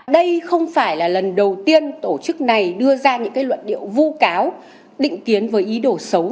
đây không phải là lần đầu tiên tổ chức này đưa ra những luận điệu vu cáo định kiến với ý đồ xấu